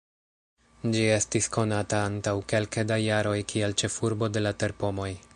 Ĝi estis konata antaŭ kelke da jaroj kiel "ĉefurbo de la terpomoj".